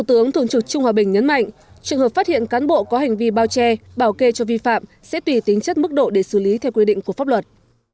trường hợp phát hiện cán bộ có hành vi bao che bảo kê cho vi phạm sẽ tùy tính chất mức độ để xử lý theo quy định của pháp luật